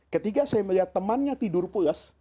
ketiga saya melihat temannya tidur pulas